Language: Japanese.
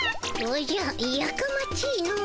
おじゃやかまちいの。